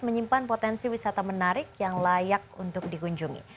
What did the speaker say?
menyimpan potensi wisata menarik yang layak untuk dikunjungi